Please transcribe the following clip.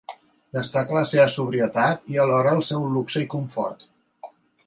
Destaca la seva sobrietat i, alhora, el seu luxe i confort.